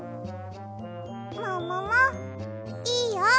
もももいいよ。